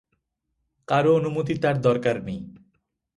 কারো অনুমতি তার দরকার নেই।